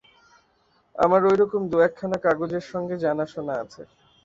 আমার ঐরকম দু-একখানা কাগজের সঙ্গে জানাশোনা আছে।